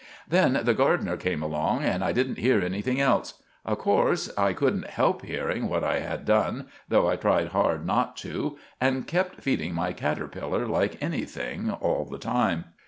Then the gardener came along, and I didn't hear anything else. Of corse, I couldn't help hearing what I had done, though I tried hard not to, and kept feeding my catterpeller like anything all the time.